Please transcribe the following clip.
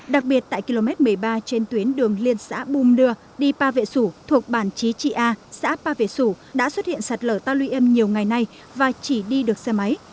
đặc biệt tại km một mươi ba trên tuyến đường liên xã bùm đưa đi pa vệ sủ thuộc bản trí trị a xã pa vệ sủ đã xuất hiện sạt lở ta luy em nhiều ngày nay và chỉ đi được xe máy